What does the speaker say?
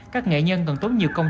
các nghệ nhân cần tốn nhiều công